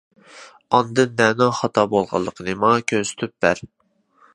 ئاندىن نەنىڭ خاتا بولغانلىقىنى ماڭا كۆرسىتىپ بەر.